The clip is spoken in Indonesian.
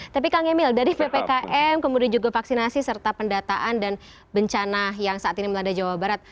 tapi kang emil dari ppkm kemudian juga vaksinasi serta pendataan dan bencana yang saat ini melanda jawa barat